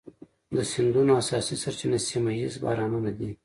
د سیندونو اساسي سرچینه سیمه ایز بارانونه دي.